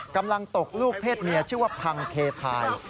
กำลังตกลูกเพศเมียชื่อว่าพังเพทาย